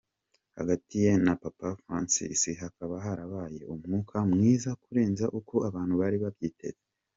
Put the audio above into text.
Hagati ye na Papa Francis hakaba harabaye umwuka mwiza kurenza uko abantu bari babyiteze.